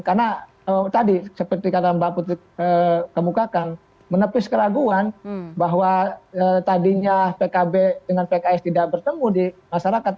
karena tadi seperti kata mbak putri kemukakan menepis keraguan bahwa tadinya pkb dengan pks tidak bertemu di masyarakat